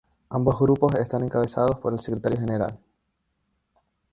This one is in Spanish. Ambos grupos están encabezados por el secretario general.